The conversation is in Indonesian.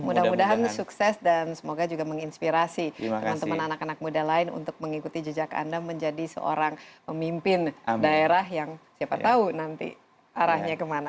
mudah mudahan sukses dan semoga juga menginspirasi teman teman anak anak muda lain untuk mengikuti jejak anda menjadi seorang pemimpin daerah yang siapa tahu nanti arahnya kemana